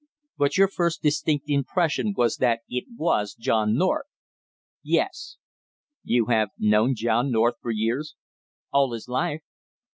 "But your first distinct impression was that it was John North?" "Yes." "You have known John North for years?" "All his life."